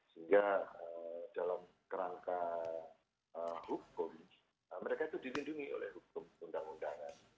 sehingga dalam kerangka hukum mereka itu dilindungi oleh hukum undang undangan